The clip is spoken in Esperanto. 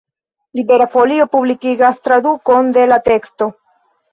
Libera Folio publikigas tradukon de la teksto.